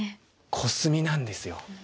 コスミなんですよ。